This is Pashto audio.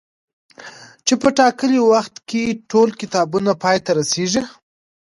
چي په ټاکلي وخت کي ټول کتابونه پاي ته رسيږي